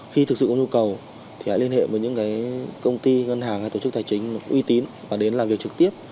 khi thực sự có nhu cầu thì hãy liên hệ với những công ty ngân hàng hay tổ chức tài chính uy tín và đến làm việc trực tiếp